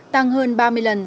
tăng hơn ba mươi lần